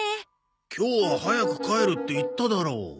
今日は早く帰るって言っただろ。